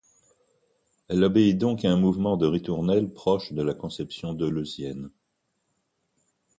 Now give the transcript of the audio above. Elle obéit donc à un mouvement de ritournelle proche de la conception deleuzienne.